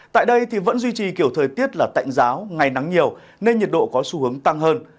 tại đây vẫn duy trì kiểu thời tiết là tạnh giáo ngày nắng nhiều nên nhiệt độ có xu hướng tăng hơn